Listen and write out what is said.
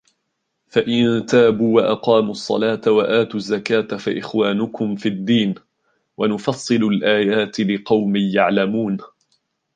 فإن تابوا وأقاموا الصلاة وآتوا الزكاة فإخوانكم في الدين ونفصل الآيات لقوم يعلمون